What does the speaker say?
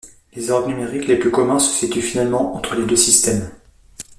Les orgues numériques les plus communs se situent finalement entre les deux systèmes.